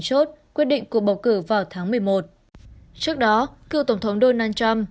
chốt quyết định cuộc bầu cử vào tháng một mươi một trước đó cựu tổng thống donald trump